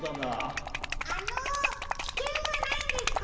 あのきけんはないんですか？